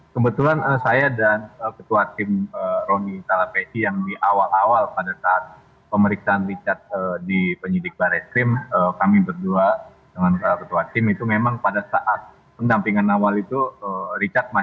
kebetulan saya dan ketua tim roni salapesi yang di awal awal pada saat pemeriksaan richard di penyidik barai skrim kami berdua dengan para ketua tim itu memang pada saat pendampingan awal itu richard masih merasa ketakutan ya